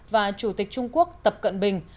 và chủ tịch trung quốc tập cận bình